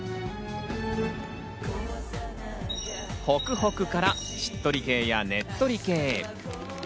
ホクホクからしっとり系や、ねっとり系。